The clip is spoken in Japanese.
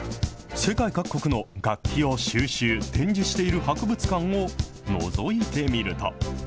世界各国の楽器を収集、展示している博物館をのぞいてみると。